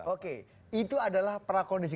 oke itu adalah prakondisi